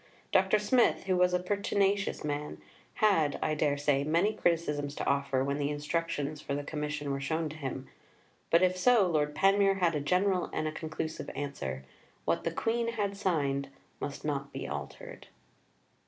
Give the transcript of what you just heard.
Dr. Smith, who was a pertinacious man, had, I dare say, many criticisms to offer when the Instructions for the Commission were shown to him. But, if so, Lord Panmure had a general and a conclusive answer. What the Queen had signed must not be altered.